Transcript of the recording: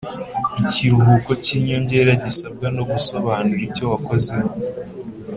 Ikiruhuko cy ‘inyongera gisabwa no gusobanura icyowakozemo